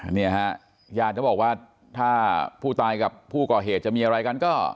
เนี่ยฮะญาติเขาบอกว่าถ้าผู้ตายกับผู้ก่อเหตุจะมีอะไรกันก็